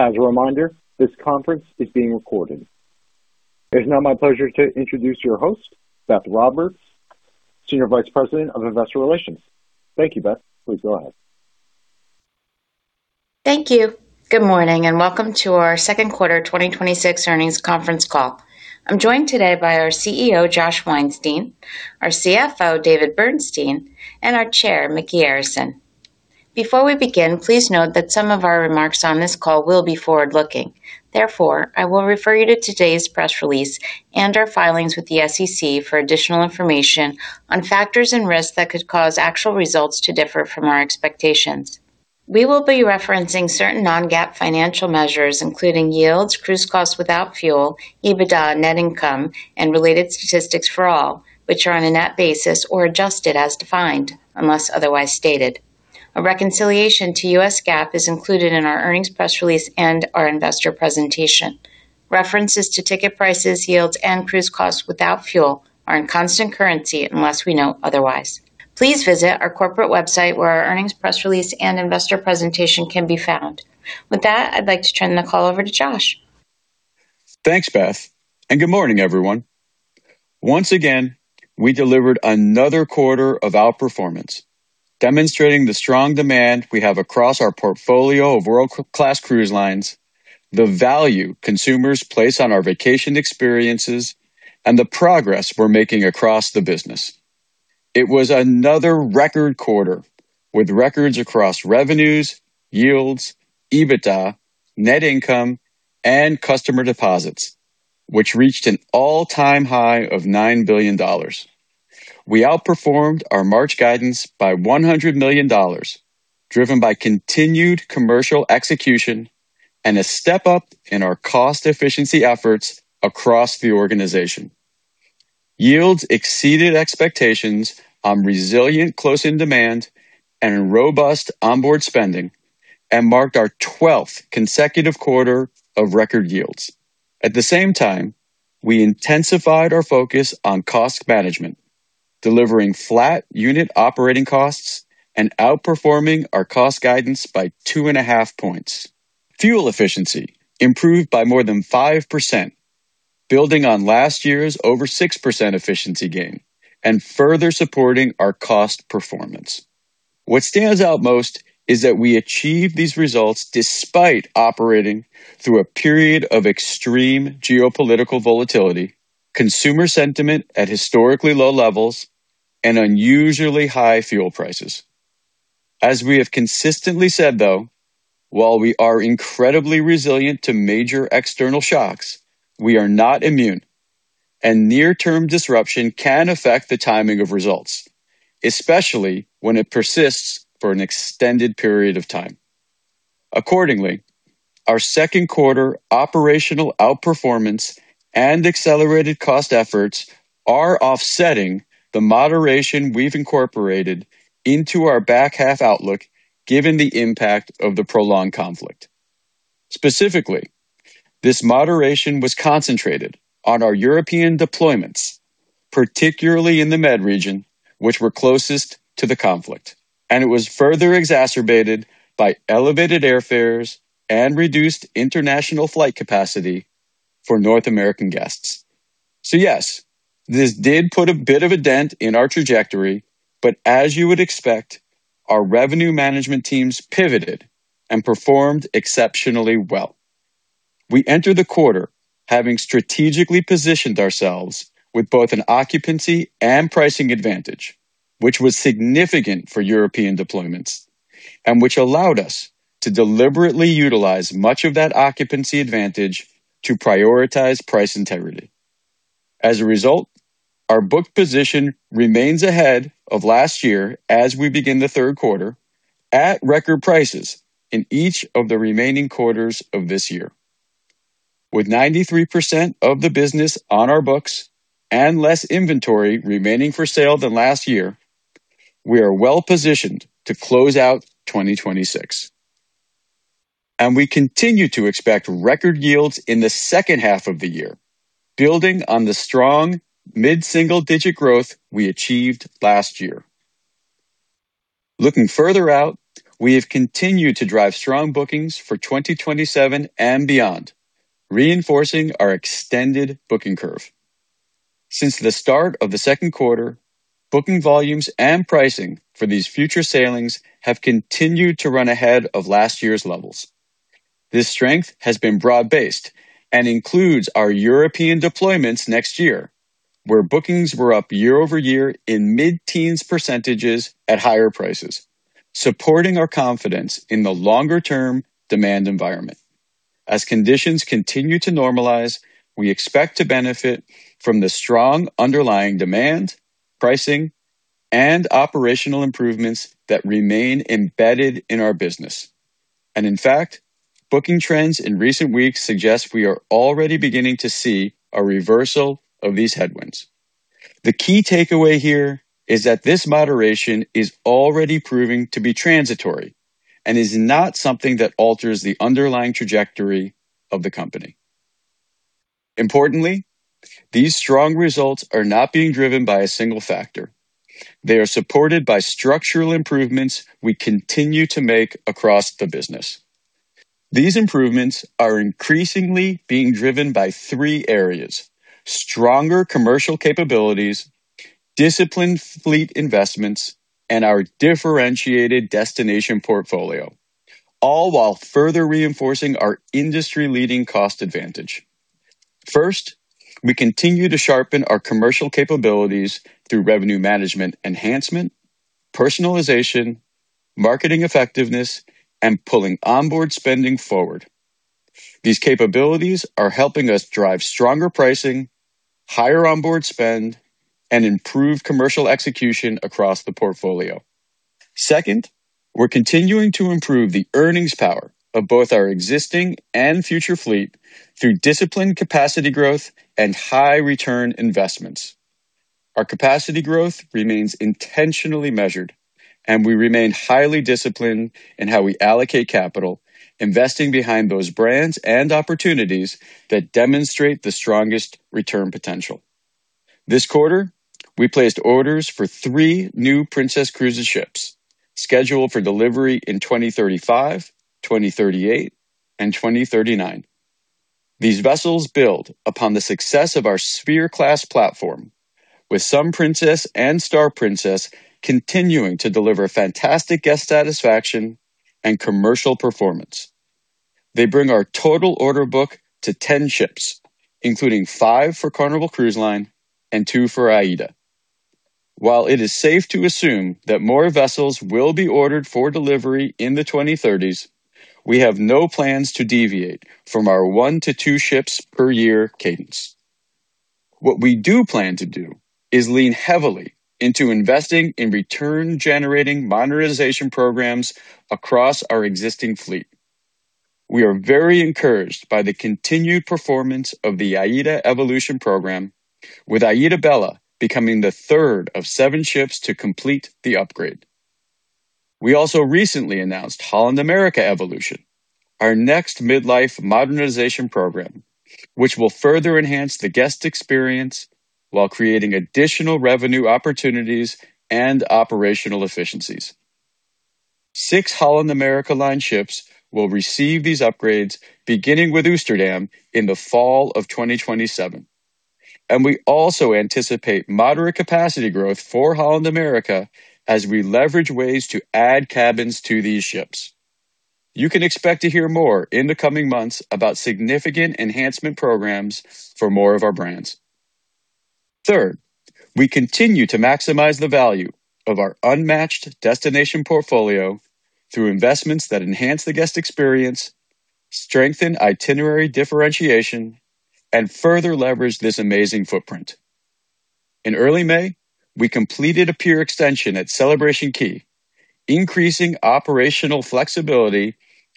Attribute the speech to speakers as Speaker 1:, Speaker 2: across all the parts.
Speaker 1: As a reminder, this conference is being recorded. It is now my pleasure to introduce your host, Beth Roberts, Senior Vice President of Investor Relations. Thank you, Beth. Please go ahead.
Speaker 2: Thank you. Good morning, and welcome to our second quarter 2026 earnings conference call. I am joined today by our CEO, Josh Weinstein, our CFO, David Bernstein, and our Chair, Micky Arison. Before we begin, please note that some of our remarks on this call will be forward-looking. Therefore, I will refer you to today's press release and our filings with the SEC for additional information on factors and risks that could cause actual results to differ from our expectations. We will be referencing certain non-GAAP financial measures, including yields, cruise costs without fuel, EBITDA, net income, and related statistics for all, which are on a net basis or adjusted as defined, unless otherwise stated. A reconciliation to U.S. GAAP is included in our earnings press release and our investor presentation. References to ticket prices, yields, and cruise costs without fuel are in constant currency unless we note otherwise. Please visit our corporate website where our earnings press release and investor presentation can be found. With that, I would like to turn the call over to Josh.
Speaker 3: Thanks, Beth, and good morning, everyone. Once again, we delivered another quarter of outperformance, demonstrating the strong demand we have across our portfolio of world-class cruise lines, the value consumers place on our vacation experiences, and the progress we are making across the business. It was another record quarter with records across revenues, yields, EBITDA, net income, and customer deposits, which reached an all-time high of $9 billion. We outperformed our March guidance by $100 million, driven by continued commercial execution and a step-up in our cost efficiency efforts across the organization. Yields exceeded expectations on resilient closing demand and robust onboard spending and marked our 12th consecutive quarter of record yields. At the same time, we intensified our focus on cost management, delivering flat unit operating costs and outperforming our cost guidance by two and a half points. Fuel efficiency improved by more than 5%, building on last year's over 6% efficiency gain and further supporting our cost performance. What stands out most is that we achieved these results despite operating through a period of extreme geopolitical volatility, consumer sentiment at historically low levels, and unusually high fuel prices. As we have consistently said, though, while we are incredibly resilient to major external shocks, we are not immune, and near-term disruption can affect the timing of results, especially when it persists for an extended period of time. Accordingly, our second quarter operational outperformance and accelerated cost efforts are offsetting the moderation we've incorporated into our back half outlook given the impact of the prolonged conflict. Specifically, this moderation was concentrated on our European deployments, particularly in the Med region, which were closest to the conflict, and it was further exacerbated by elevated airfares and reduced international flight capacity for North American guests. Yes, this did put a bit of a dent in our trajectory, but as you would expect, our revenue management teams pivoted and performed exceptionally well. We entered the quarter having strategically positioned ourselves with both an occupancy and pricing advantage, which was significant for European deployments, and which allowed us to deliberately utilize much of that occupancy advantage to prioritize price integrity. As a result, our booked position remains ahead of last year as we begin the third quarter at record prices in each of the remaining quarters of this year. With 93% of the business on our books and less inventory remaining for sale than last year, we are well-positioned to close out 2026. We continue to expect record yields in the second half of the year, building on the strong mid-single-digit growth we achieved last year. Looking further out, we have continued to drive strong bookings for 2027 and beyond, reinforcing our extended booking curve. Since the start of the second quarter, booking volumes and pricing for these future sailings have continued to run ahead of last year's levels. This strength has been broad-based and includes our European deployments next year, where bookings were up year-over-year in mid-teens percentages at higher prices, supporting our confidence in the longer-term demand environment. As conditions continue to normalize, we expect to benefit from the strong underlying demand, pricing, and operational improvements that remain embedded in our business. In fact, booking trends in recent weeks suggest we are already beginning to see a reversal of these headwinds. The key takeaway here is that this moderation is already proving to be transitory and is not something that alters the underlying trajectory of the company. Importantly, these strong results are not being driven by a single factor. They are supported by structural improvements we continue to make across the business. These improvements are increasingly being driven by three areas: stronger commercial capabilities, disciplined fleet investments, and our differentiated destination portfolio, all while further reinforcing our industry-leading cost advantage. First, we continue to sharpen our commercial capabilities through revenue management enhancement, personalization, marketing effectiveness, and pulling onboard spending forward. These capabilities are helping us drive stronger pricing, higher onboard spend, and improve commercial execution across the portfolio. Second, we're continuing to improve the earnings power of both our existing and future fleet through disciplined capacity growth and high-return investments. Our capacity growth remains intentionally measured, and we remain highly disciplined in how we allocate capital, investing behind those brands and opportunities that demonstrate the strongest return potential. This quarter, we placed orders for three new Princess Cruises ships, scheduled for delivery in 2035, 2038, and 2039. These vessels build upon the success of our Sphere Class platform, with Sun Princess and Star Princess continuing to deliver fantastic guest satisfaction and commercial performance. They bring our total order book to 10 ships, including five for Carnival Cruise Line and two for AIDA. While it is safe to assume that more vessels will be ordered for delivery in the 2030s, we have no plans to deviate from our one to two ships per year cadence. What we do plan to do is lean heavily into investing in return-generating modernization programs across our existing fleet. We are very encouraged by the continued performance of the AIDA Evolution program, with AIDAbella becoming the third of seven ships to complete the upgrade. We also recently announced Holland America Evolution, our next mid-life modernization program, which will further enhance the guest experience while creating additional revenue opportunities and operational efficiencies. Six Holland America Line ships will receive these upgrades, beginning with Oosterdam in the fall of 2027, and we also anticipate moderate capacity growth for Holland America as we leverage ways to add cabins to these ships. You can expect to hear more in the coming months about significant enhancement programs for more of our brands. Third, we continue to maximize the value of our unmatched destination portfolio through investments that enhance the guest experience, strengthen itinerary differentiation, and further leverage this amazing footprint. In early May, we completed a pier extension at Celebration Key, increasing operational flexibility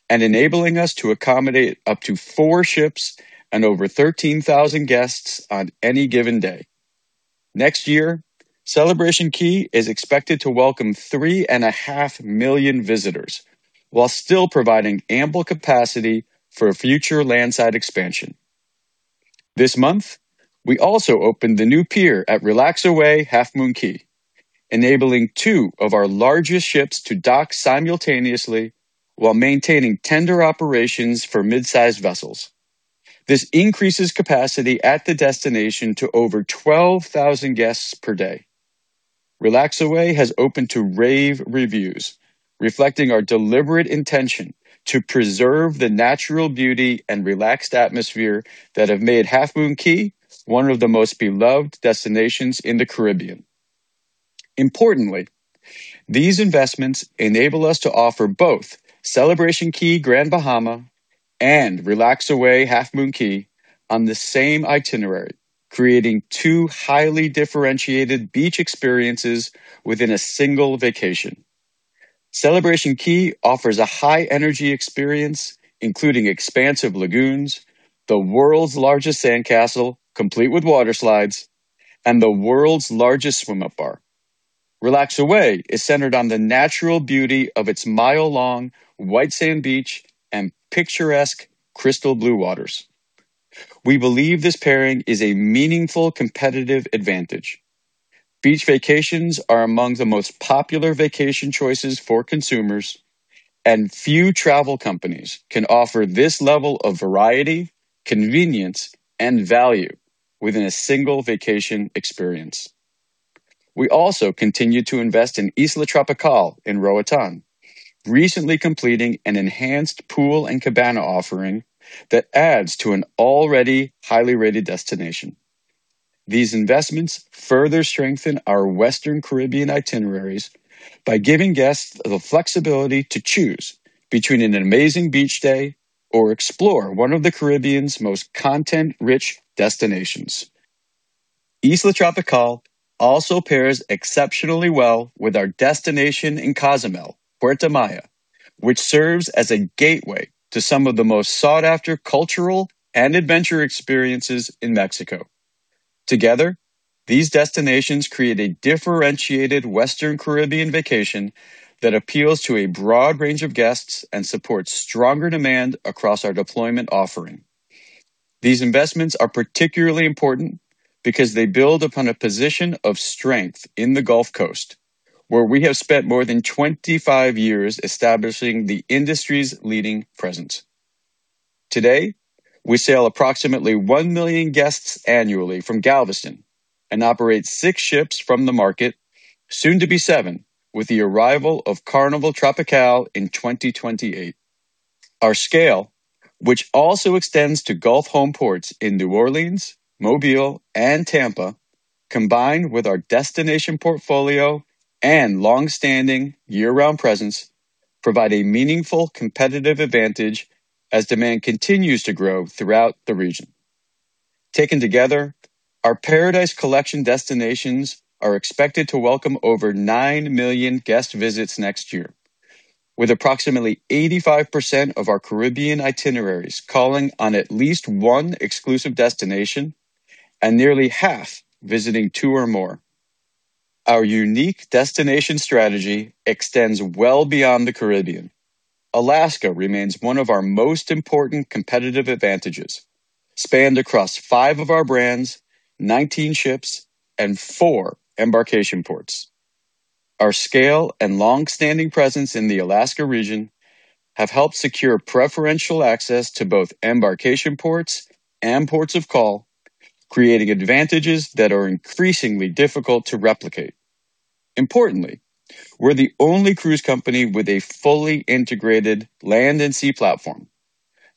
Speaker 3: and enabling us to accommodate up to four ships and over 13,000 guests on any given day. Next year, Celebration Key is expected to welcome three and a half million visitors while still providing ample capacity for future landside expansion. This month, we also opened the new pier at RelaxAway Half Moon Cay, enabling two of our largest ships to dock simultaneously while maintaining tender operations for mid-sized vessels. This increases capacity at the destination to over 12,000 guests per day. RelaxAway has opened to rave reviews, reflecting our deliberate intention to preserve the natural beauty and relaxed atmosphere that have made Half Moon Cay one of the most beloved destinations in the Caribbean. Importantly, these investments enable us to offer both Celebration Key Grand Bahama and RelaxAway Half Moon Cay on the same itinerary, creating two highly differentiated beach experiences within a single vacation. Celebration Key offers a high-energy experience, including expansive lagoons, the world's largest sandcastle, complete with water slides, and the world's largest swim-up bar. RelaxAway is centered on the natural beauty of its mile-long white sand beach and picturesque crystal blue waters. We believe this pairing is a meaningful competitive advantage. Beach vacations are among the most popular vacation choices for consumers, and few travel companies can offer this level of variety, convenience, and value within a single vacation experience. We also continue to invest in Isla Tropicale in Roatán, recently completing an enhanced pool and cabana offering that adds to an already highly rated destination. These investments further strengthen our Western Caribbean itineraries by giving guests the flexibility to choose between an amazing beach day or explore one of the Caribbean's most content-rich destinations. Isla Tropicale also pairs exceptionally well with our destination in Cozumel, Puerto Maya, which serves as a gateway to some of the most sought-after cultural and adventure experiences in Mexico. Together, these destinations create a differentiated Western Caribbean vacation that appeals to a broad range of guests and supports stronger demand across our deployment offering. These investments are particularly important because they build upon a position of strength in the Gulf Coast, where we have spent more than 25 years establishing the industry's leading presence. Today, we sail approximately 1 million guests annually from Galveston and operate six ships from the market, soon to be seven, with the arrival of Carnival Tropicale in 2028. Our scale, which also extends to Gulf home ports in New Orleans, Mobile, and Tampa, combined with our destination portfolio and long-standing year-round presence, provide a meaningful competitive advantage as demand continues to grow throughout the region. Taken together, our Paradise Collection destinations are expected to welcome over 9 million guest visits next year, with approximately 85% of our Caribbean itineraries calling on at least one exclusive destination and nearly half visiting two or more. Our unique destination strategy extends well beyond the Caribbean. Alaska remains one of our most important competitive advantages, spanned across five of our brands, 19 ships, and four embarkation ports. Our scale and long-standing presence in the Alaska region have helped secure preferential access to both embarkation ports and ports of call, creating advantages that are increasingly difficult to replicate. Importantly, we're the only cruise company with a fully integrated land and sea platform.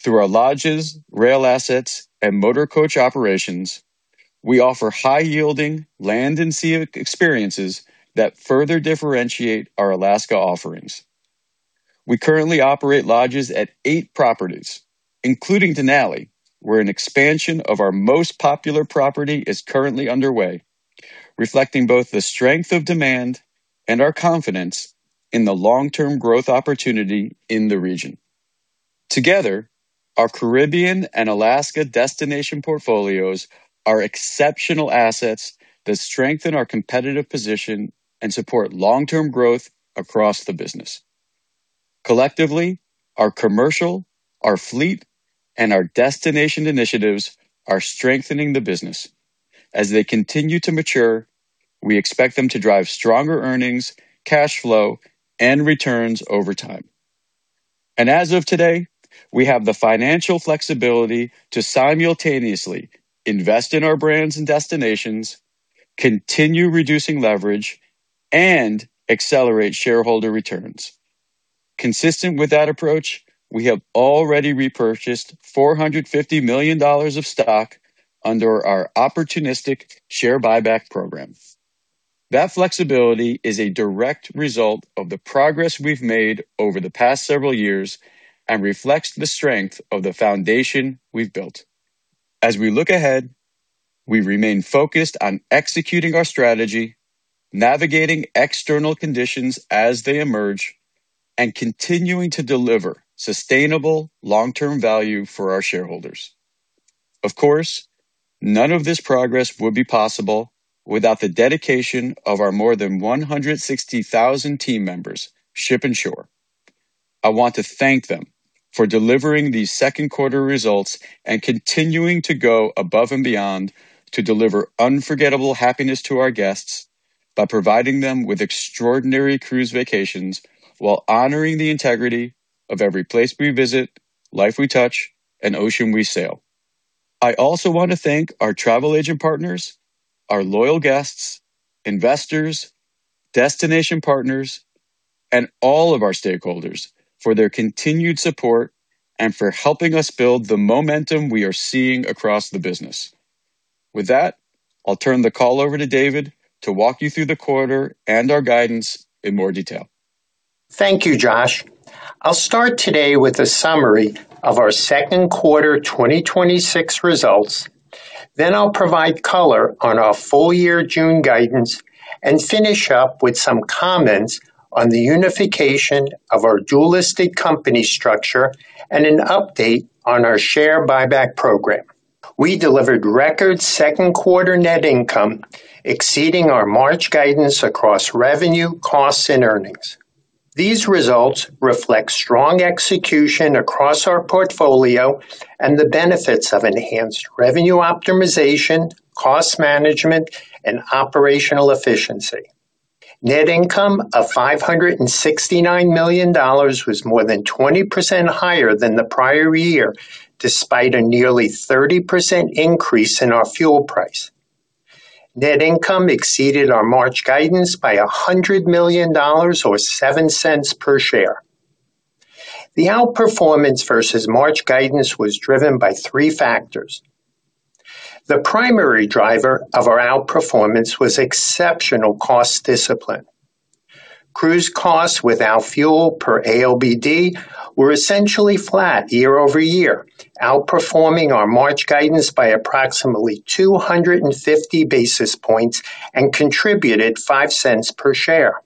Speaker 3: Through our lodges, rail assets, and motor coach operations, we offer high-yielding land and sea experiences that further differentiate our Alaska offerings. We currently operate lodges at eight properties, including Denali, where an expansion of our most popular property is currently underway, reflecting both the strength of demand and our confidence in the long-term growth opportunity in the region. Together, our Caribbean and Alaska destination portfolios are exceptional assets that strengthen our competitive position and support long-term growth across the business. Collectively, our commercial, our fleet, and our destination initiatives are strengthening the business. As they continue to mature, we expect them to drive stronger earnings, cash flow, and returns over time. As of today, we have the financial flexibility to simultaneously invest in our brands and destinations, continue reducing leverage, and accelerate shareholder returns. Consistent with that approach, we have already repurchased $450 million of stock under our opportunistic share buyback program. That flexibility is a direct result of the progress we've made over the past several years and reflects the strength of the foundation we've built. As we look ahead, we remain focused on executing our strategy, navigating external conditions as they emerge, and continuing to deliver sustainable long-term value for our shareholders. Of course, none of this progress would be possible without the dedication of our more than 160,000 team members, ship and shore. I want to thank them for delivering these second quarter results and continuing to go above and beyond to deliver unforgettable happiness to our guests by providing them with extraordinary cruise vacations while honoring the integrity of every place we visit, life we touch, and ocean we sail. I also want to thank our travel agent partners, our loyal guests, investors, destination partners, and all of our stakeholders for their continued support and for helping us build the momentum we are seeing across the business. With that, I'll turn the call over to David to walk you through the quarter and our guidance in more detail.
Speaker 4: Thank you, Josh. I'll start today with a summary of our second quarter 2026 results. Then I'll provide color on our full-year June guidance and finish up with some comments on the unification of our dual-listed company structure and an update on our share buyback program. We delivered record second quarter net income, exceeding our March guidance across revenue, costs, and earnings. These results reflect strong execution across our portfolio and the benefits of enhanced revenue optimization, cost management, and operational efficiency. Net income of $569 million was more than 20% higher than the prior year, despite a nearly 30% increase in our fuel price. Net income exceeded our March guidance by $100 million, or $0.07 per share. The outperformance versus March guidance was driven by three factors. The primary driver of our outperformance was exceptional cost discipline. Cruise costs without fuel per ALBD were essentially flat year-over-year, outperforming our March guidance by approximately 250 basis points and contributed $0.05 per share.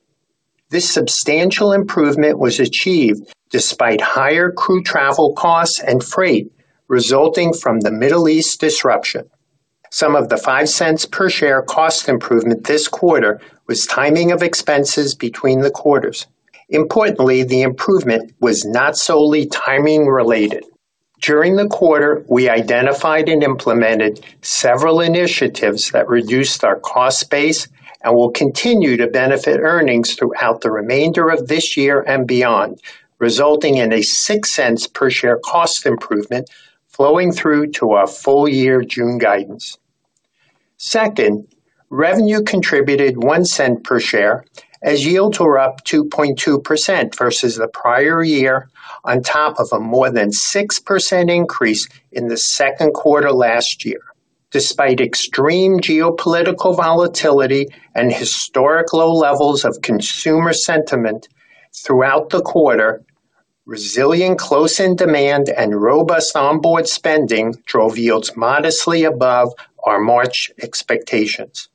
Speaker 4: This substantial improvement was achieved despite higher crew travel costs and freight resulting from the Middle East disruption. Some of the $0.05 per share cost improvement this quarter was timing of expenses between the quarters. Importantly, the improvement was not solely timing-related. During the quarter, we identified and implemented several initiatives that reduced our cost base and will continue to benefit earnings throughout the remainder of this year and beyond, resulting in a $0.06 per share cost improvement flowing through to our full-year June guidance. Second, revenue contributed $0.01 per share as yields were up 2.2% versus the prior year on top of a more than 6% increase in the second quarter last year. Despite extreme geopolitical volatility and historic low levels of consumer sentiment throughout the quarter, resilient close-in demand and robust onboard spending drove yields modestly above our March expectations.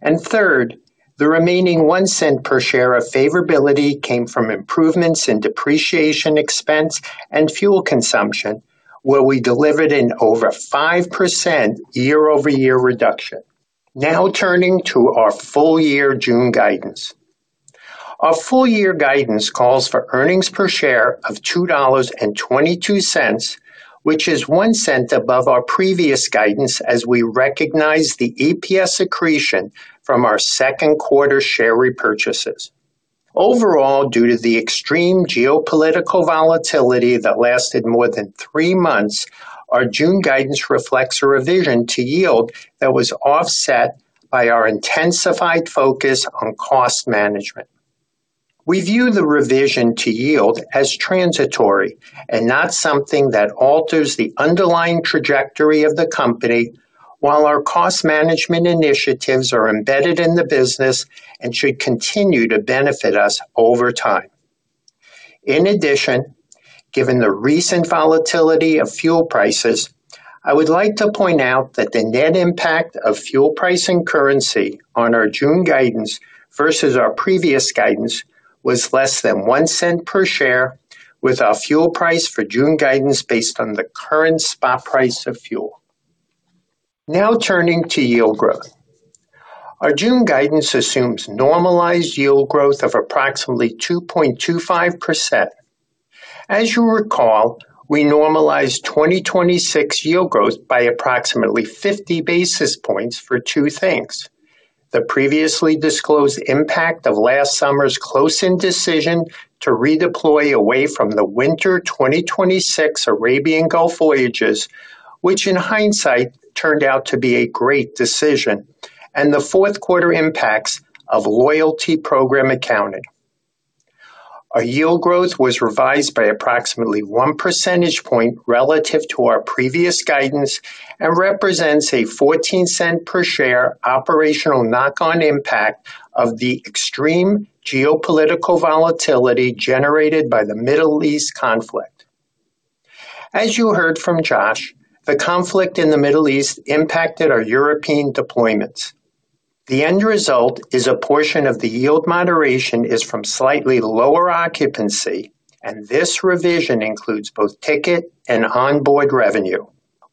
Speaker 4: And third, the remaining $0.01 per share of favorability came from improvements in depreciation expense and fuel consumption, where we delivered an over 5% year-over-year reduction. Now turning to our full-year June guidance. Our full-year guidance calls for earnings per share of $2.22, which is $0.01 above our previous guidance as we recognize the EPS accretion from our second quarter share repurchases. Overall, due to the extreme geopolitical volatility that lasted more than three months, our June guidance reflects a revision to yield that was offset by our intensified focus on cost management. We view the revision to yield as transitory and not something that alters the underlying trajectory of the company while our cost management initiatives are embedded in the business and should continue to benefit us over time. In addition, given the recent volatility of fuel prices, I would like to point out that the net impact of fuel pricing currency on our June guidance versus our previous guidance was less than $0.01 per share with our fuel price for June guidance based on the current spot price of fuel. Now turning to yield growth. Our June guidance assumes normalized yield growth of approximately 2.25%. As you recall, we normalized 2026 yield growth by approximately 50 basis points for two things: the previously disclosed impact of last summer's close-in decision to redeploy away from the winter 2026 Arabian Gulf voyages, which in hindsight, turned out to be a great decision, and the fourth quarter impacts of loyalty program accounting. Our yield growth was revised by approximately one percentage point relative to our previous guidance and represents a $0.14 per share operational knock-on impact of the extreme geopolitical volatility generated by the Middle East conflict. As you heard from Josh, the conflict in the Middle East impacted our European deployments. The end result is a portion of the yield moderation is from slightly lower occupancy, and this revision includes both ticket and onboard revenue.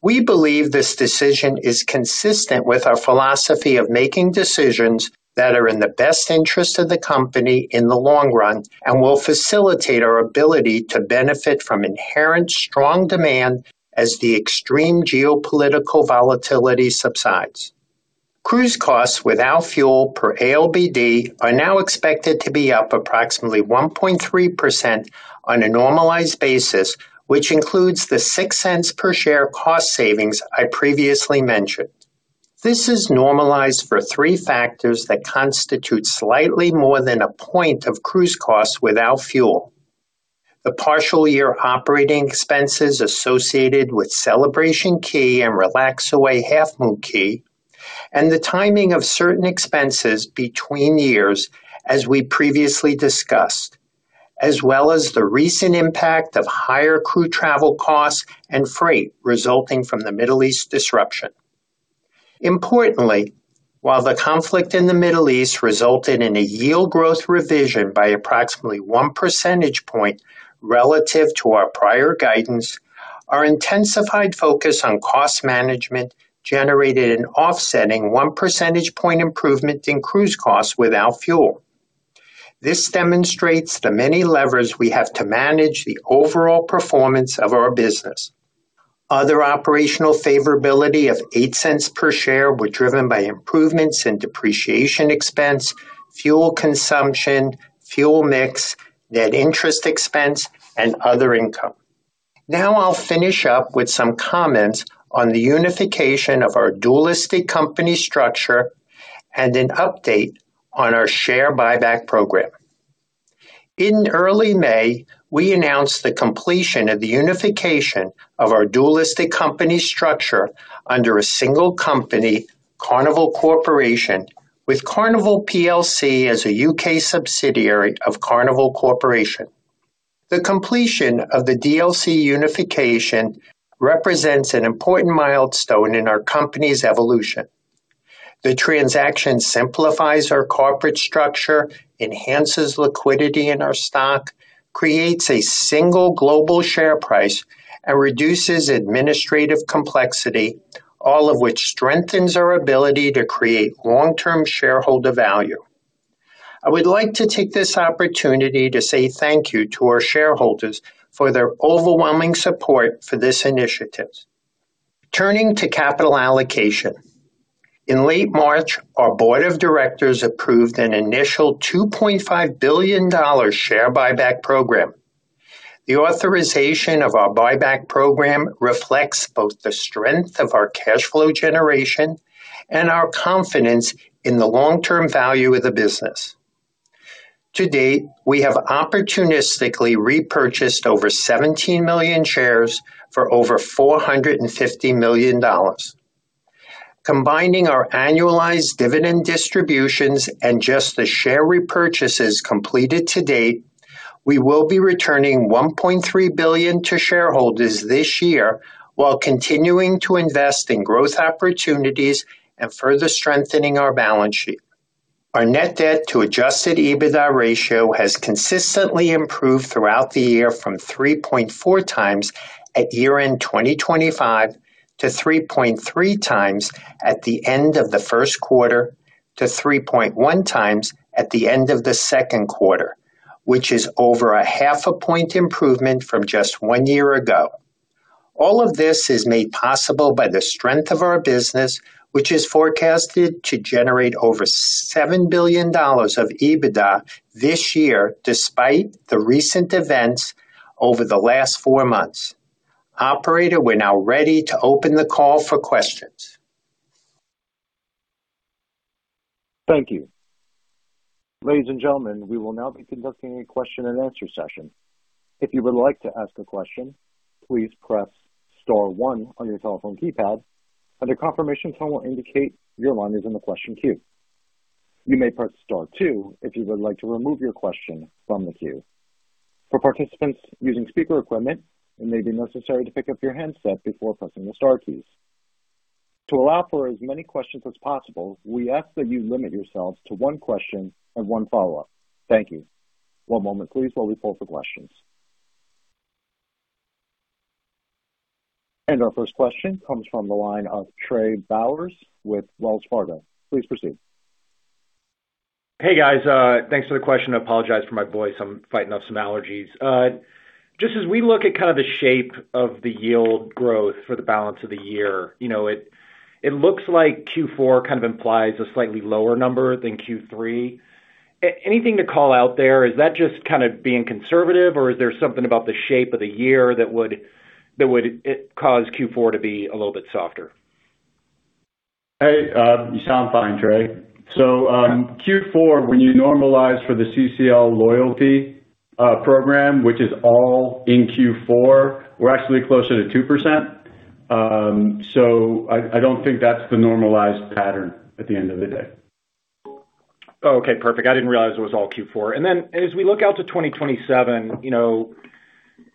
Speaker 4: We believe this decision is consistent with our philosophy of making decisions that are in the best interest of the company in the long run and will facilitate our ability to benefit from inherent strong demand as the extreme geopolitical volatility subsides. Cruise costs without fuel per ALBD are now expected to be up approximately 1.3% on a normalized basis, which includes the $0.06 per share cost savings I previously mentioned. This is normalized for three factors that constitute slightly more than a point of cruise costs without fuel. The partial year operating expenses associated with Celebration Key and RelaxAway Half Moon Cay, and the timing of certain expenses between years, as we previously discussed, as well as the recent impact of higher crew travel costs and freight resulting from the Middle East disruption. Importantly, while the conflict in the Middle East resulted in a yield growth revision by approximately one percentage point relative to our prior guidance, our intensified focus on cost management generated an offsetting one percentage point improvement in cruise costs without fuel. This demonstrates the many levers we have to manage the overall performance of our business. Other operational favorability of $0.08 per share were driven by improvements in depreciation expense, fuel consumption, fuel mix, net interest expense, and other income. Now I'll finish up with some comments on the unification of our dual-listed company structure and an update on our share buyback program. In early May, we announced the completion of the unification of our dual-listed company structure under a single company, Carnival Corporation, with Carnival plc as a U.K. subsidiary of Carnival Corporation. The completion of the DLC unification represents an important milestone in our company's evolution. The transaction simplifies our corporate structure, enhances liquidity in our stock, creates a single global share price, and reduces administrative complexity, all of which strengthens our ability to create long-term shareholder value. I would like to take this opportunity to say thank you to our shareholders for their overwhelming support for this initiative. Turning to capital allocation. In late March, our board of directors approved an initial $2.5 billion share buyback program. The authorization of our buyback program reflects both the strength of our cash flow generation and our confidence in the long-term value of the business. To date, we have opportunistically repurchased over 17 million shares for over $450 million. Combining our annualized dividend distributions and just the share repurchases completed to date, we will be returning $1.3 billion to shareholders this year while continuing to invest in growth opportunities and further strengthening our balance sheet. Our net debt to adjusted EBITDA ratio has consistently improved throughout the year from 3.4 times at year-end 2025 to 3.3 times at the end of the first quarter, to 3.1 times at the end of the second quarter, which is over a half a point improvement from just one year ago. All of this is made possible by the strength of our business, which is forecasted to generate over $7 billion of EBITDA this year, despite the recent events over the last four months. Operator, we're now ready to open the call for questions.
Speaker 1: Thank you. Ladies and gentlemen, we will now be conducting a question and answer session. If you would like to ask a question, please press star one on your telephone keypad, and a confirmation tone will indicate your line is in the question queue. You may press star two if you would like to remove your question from the queue. For participants using speaker equipment, it may be necessary to pick up your handset before pressing the star keys. To allow for as many questions as possible, we ask that you limit yourself to one question and one follow-up. Thank you. One moment, please, while we pull for questions. Our first question comes from the line of Trey Bowers with Wells Fargo. Please proceed.
Speaker 5: Hey, guys. Thanks for the question. I apologize for my voice. I'm fighting off some allergies. Just as we look at kind of the shape of the yield growth for the balance of the year, it looks like Q4 kind of implies a slightly lower number than Q3. Anything to call out there? Is that just kind of being conservative, or is there something about the shape of the year that would cause Q4 to be a little bit softer?
Speaker 3: Hey. You sound fine, Trey. Q4, when you normalize for the CCL loyalty program, which is all in Q4, we're actually closer to 2%. I don't think that's the normalized pattern at the end of the day.
Speaker 5: Oh, okay, perfect. I didn't realize it was all Q4. As we look out to 2027,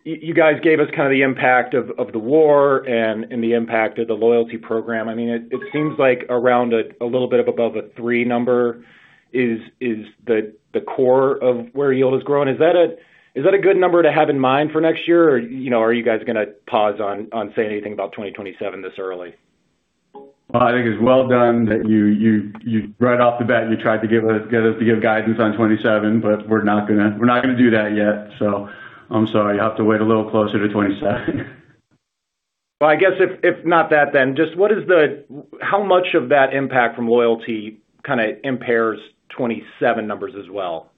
Speaker 5: you guys gave us kind of the impact of the war and the impact of the loyalty program. It seems like around a little bit of above a three number is the core of where yield is growing. Is that a good number to have in mind for next year, or are you guys going to pause on saying anything about 2027 this early?
Speaker 3: Well, I think it's well done that right off the bat, you tried to get us to give guidance on 2027, we're not going to do that yet. I'm sorry. You'll have to wait a little closer to 2027.
Speaker 5: Well, I guess if not that, just how much of that impact from loyalty kind of impairs 2027 numbers as well?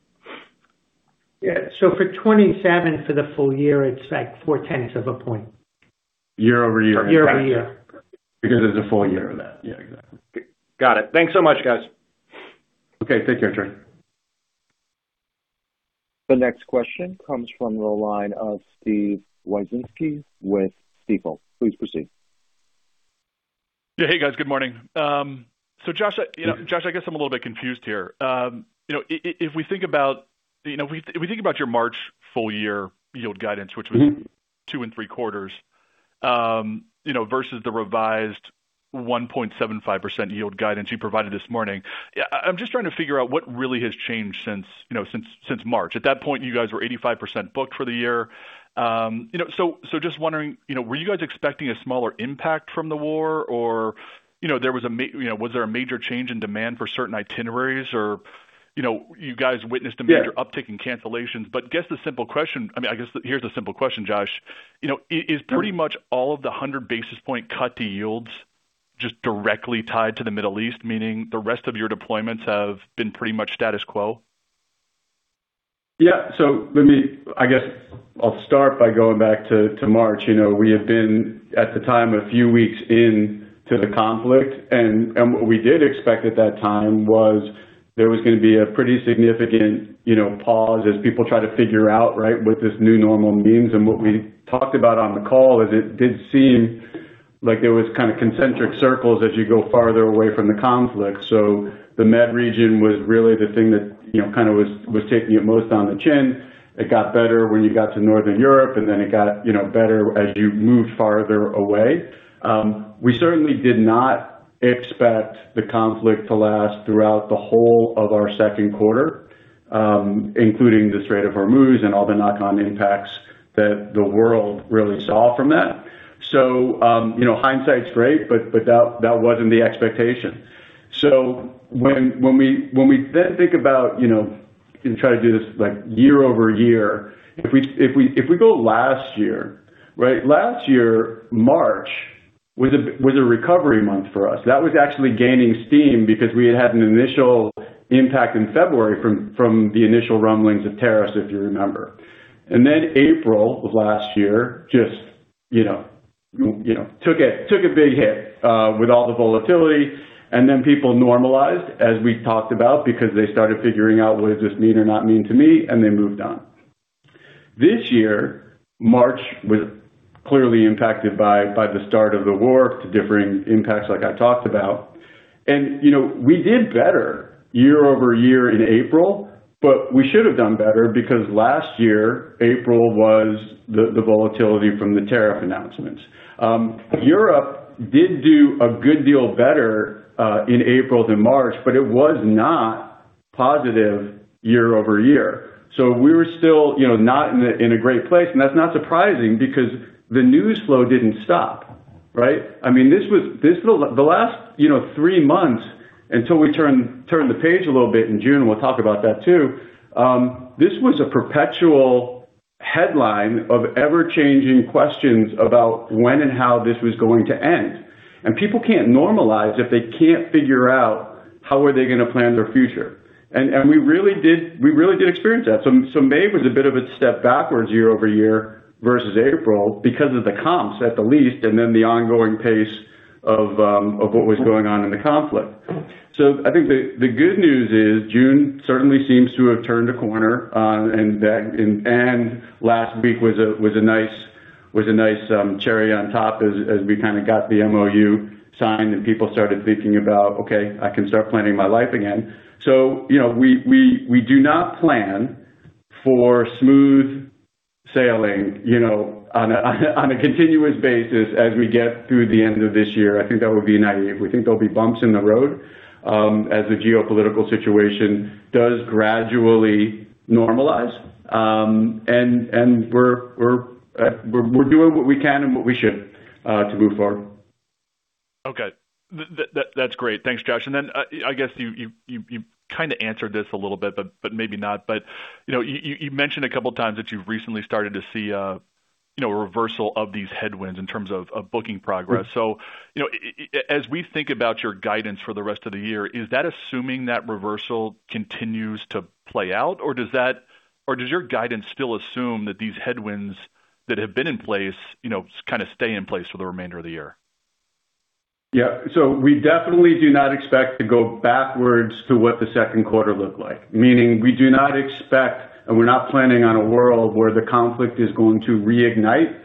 Speaker 4: Yeah. For 2027, for the full year, it's like four-tenths of a point.
Speaker 5: Year-over-year?
Speaker 4: Year-over-year.
Speaker 5: Because it's a full year of that.
Speaker 3: Yeah, exactly.
Speaker 5: Got it. Thanks so much, guys.
Speaker 3: Okay. Take care, Trey.
Speaker 1: The next question comes from the line of Steven Wieczynski with Stifel. Please proceed.
Speaker 6: Yeah. Hey, guys. Good morning. Josh, I guess I'm a little bit confused here. If we think about your March full year yield guidance, which was 2.75%, versus the revised 1.75% yield guidance you provided this morning. I'm just trying to figure out what really has changed since March. At that point, you guys were 85% booked for the year. Just wondering, were you guys expecting a smaller impact from the war, or was there a major change in demand for certain itineraries or you guys witnessed a major uptick in cancellations? I guess here's a simple question, Josh. Is pretty much all of the 100 basis point cut to yields just directly tied to the Middle East, meaning the rest of your deployments have been pretty much status quo?
Speaker 3: Yeah. Let me I guess I'll start by going back to March. We had been, at the time, a few weeks into the conflict, what we did expect at that time was there was going to be a pretty significant pause as people try to figure out what this new normal means. What we talked about on the call is it did seem like there was kind of concentric circles as you go farther away from the conflict. The Med region was really the thing that kind of was taking it most on the chin. It got better when you got to Northern Europe, and then it got better as you moved farther away. We certainly did not expect the conflict to last throughout the whole of our second quarter, including the Strait of Hormuz and all the knock-on impacts that the world really saw from that. Hindsight's great, that wasn't the expectation. When we then think about and try to do this year-over-year, if we go last year, right? Last year, March was a recovery month for us. That was actually gaining steam because we had had an initial impact in February from the initial rumblings of tariffs, if you remember. April of last year, just took a big hit with all the volatility, people normalized, as we talked about, because they started figuring out what does this mean or not mean to me, and they moved on. This year, March was clearly impacted by the start of the war to differing impacts like I talked about. We did better year-over-year in April, but we should have done better because last year, April was the volatility from the tariff announcements. Europe did do a good deal better in April than March, but it was not positive year-over-year. We were still not in a great place, and that's not surprising because the news flow didn't stop, right? I mean, the last three months, until we turn the page a little bit in June, we'll talk about that too. This was a perpetual headline of ever-changing questions about when and how this was going to end. People can't normalize if they can't figure out how are they going to plan their future. We really did experience that. May was a bit of a step backwards year-over-year versus April because of the comps, at the least, and then the ongoing pace of what was going on in the conflict. I think the good news is June certainly seems to have turned a corner. Last week was a nice cherry on top as we kind of got the MOU signed and people started thinking about, "Okay, I can start planning my life again." We do not plan for smooth sailing on a continuous basis as we get through the end of this year. I think that would be naive. We think there'll be bumps in the road, as the geopolitical situation does gradually normalize. We're doing what we can and what we should, to move forward.
Speaker 6: Okay. That's great. Thanks, Josh. I guess you kind of answered this a little bit, but maybe not. You mentioned a couple of times that you've recently started to see a reversal of these headwinds in terms of booking progress. As we think about your guidance for the rest of the year, is that assuming that reversal continues to play out, or does your guidance still assume that these headwinds that have been in place, kind of stay in place for the remainder of the year?
Speaker 3: Yeah. We definitely do not expect to go backwards to what the second quarter looked like, meaning we do not expect, and we're not planning on a world where the conflict is going to reignite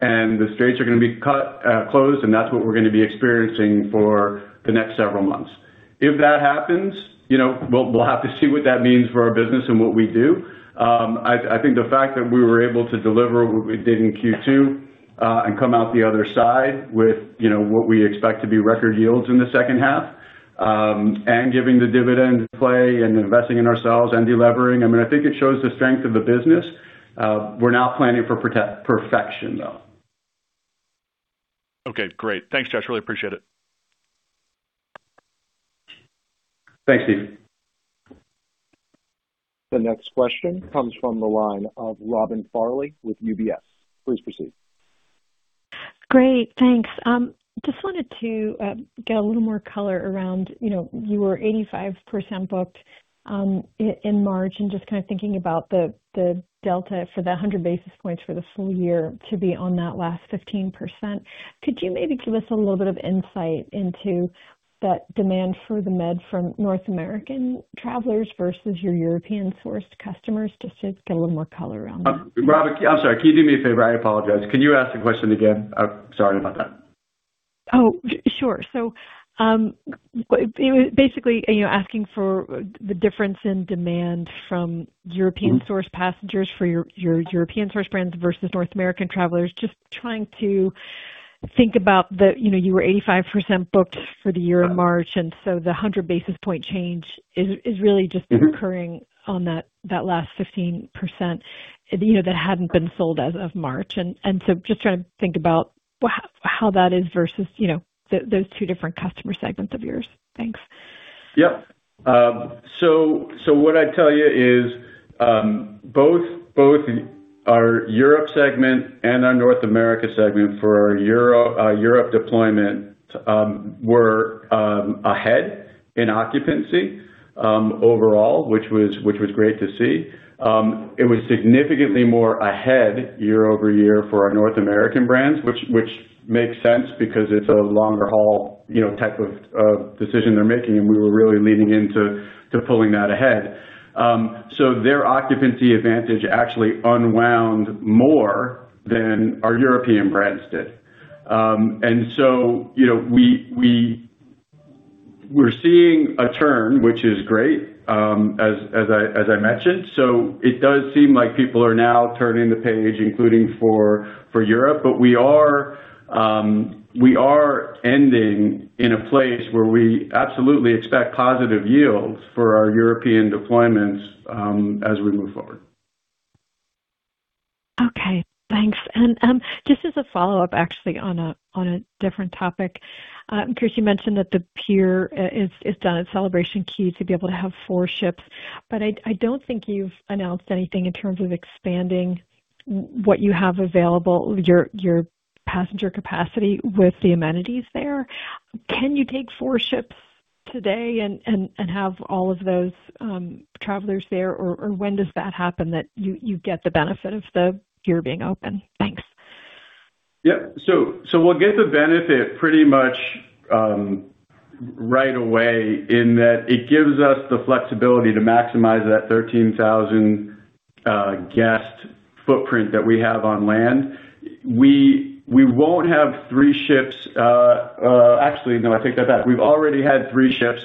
Speaker 3: and the straits are going to be closed, and that's what we're going to be experiencing for the next several months. If that happens, we'll have to see what that means for our business and what we do. I think the fact that we were able to deliver what we did in Q2, and come out the other side with what we expect to be record yields in the second half, and giving the dividend play and investing in ourselves and de-levering, I think it shows the strength of the business. We're now planning for perfection, though.
Speaker 6: Okay, great. Thanks, Josh. Really appreciate it.
Speaker 3: Thanks, Steven.
Speaker 1: The next question comes from the line of Robin Farley with UBS. Please proceed.
Speaker 7: Great. Thanks. Just wanted to get a little more color around, you were 85% booked in March, just kind of thinking about the delta for the 100 basis points for the full year to be on that last 15%. Could you maybe give us a little bit of insight into that demand for the Med from North American travelers versus your European-sourced customers, just to get a little more color around that?
Speaker 3: Robin, I'm sorry. Can you do me a favor? I apologize. Can you ask the question again? Sorry about that.
Speaker 7: Oh, sure. Basically, asking for the difference in demand from European-sourced passengers for your European-sourced brands versus North American travelers. You were 85% booked for the year in March, the 100 basis point change is really just occurring on that last 15% that hadn't been sold as of March. Just trying to think about how that is versus those two different customer segments of yours. Thanks.
Speaker 3: What I'd tell you is, both our Europe segment and our North America segment for our Europe deployment were ahead in occupancy overall, which was great to see. It was significantly more ahead year-over-year for our North American brands, which makes sense because it's a longer haul type of decision they're making, and we were really leaning into pulling that ahead. Their occupancy advantage actually unwound more than our European brands did. We're seeing a turn, which is great, as I mentioned. It does seem like people are now turning the page, including for Europe. We are ending in a place where we absolutely expect positive yields for our European deployments as we move forward.
Speaker 7: Okay, thanks. Just as a follow-up, actually, on a different topic. Josh, you mentioned that the pier is done at Celebration Key to be able to have four ships, but I don't think you've announced anything in terms of expanding what you have available, your passenger capacity with the amenities there. Can you take four ships today and have all of those travelers there, or when does that happen that you get the benefit of the pier being open? Thanks.
Speaker 3: Yep. We'll get the benefit pretty much right away in that it gives us the flexibility to maximize that 13,000 guest footprint that we have on land. We won't have three ships. Actually, no, I take that back. We've already had three ships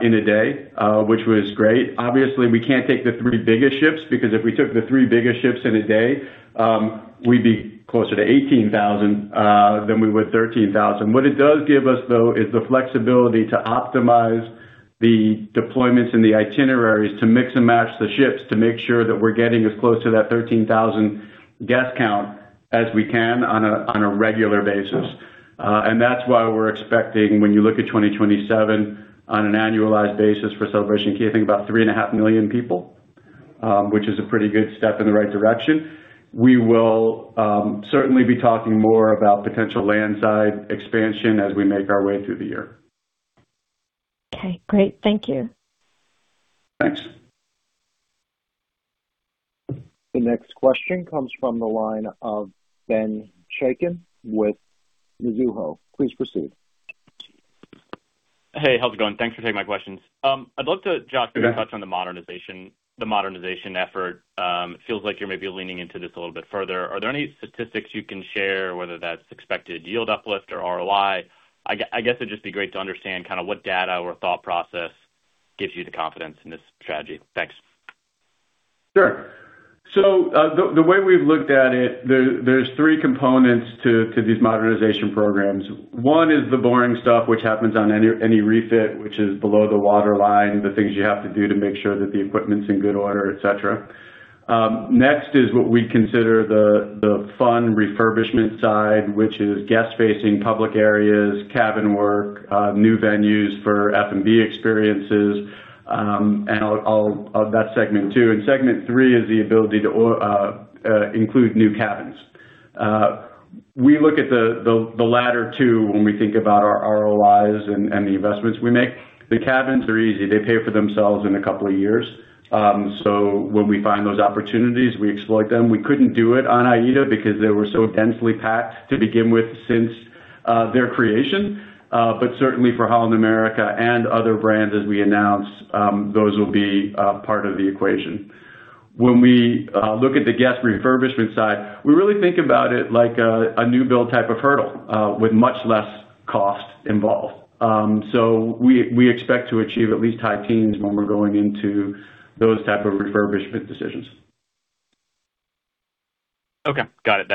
Speaker 3: in a day, which was great. Obviously, we can't take the three biggest ships, because if we took the three biggest ships in a day, we'd be closer to 18,000 than we would 13,000. What it does give us, though, is the flexibility to optimize the deployments and the itineraries to mix and match the ships to make sure that we're getting as close to that 13,000 guest count as we can on a regular basis. That's why we're expecting, when you look at 2027, on an annualized basis for Celebration Key, I think about 3.5 million people, which is a pretty good step in the right direction. We will certainly be talking more about potential landside expansion as we make our way through the year.
Speaker 7: Okay, great. Thank you.
Speaker 3: Thanks.
Speaker 1: The next question comes from the line of Ben Chaiken with Mizuho. Please proceed.
Speaker 8: Hey, how's it going? Thanks for taking my questions. I'd love to, Josh, get your thoughts on the modernization effort. It feels like you're maybe leaning into this a little bit further. Are there any statistics you can share, whether that's expected yield uplift or ROI? I guess it'd just be great to understand what data or thought process gives you the confidence in this strategy. Thanks.
Speaker 3: The way we've looked at it, there's three components to these modernization programs. One is the boring stuff, which happens on any refit, which is below the waterline, the things you have to do to make sure that the equipment's in good order, et cetera. Next is what we consider the fun refurbishment side, which is guest-facing public areas, cabin work, new venues for F&B experiences, and all of that Segment 2. Segment 3 is the ability to include new cabins. We look at the latter two when we think about our ROIs and the investments we make. The cabins are easy. They pay for themselves in a couple of years. When we find those opportunities, we exploit them. We couldn't do it on AIDA because they were so densely packed to begin with since their creation. Certainly for Holland America and other brands as we announce, those will be part of the equation. When we look at the guest refurbishment side, we really think about it like a new build type of hurdle with much less cost involved. We expect to achieve at least high teens when we're going into those type of refurbishment decisions.
Speaker 8: Okay. Got it.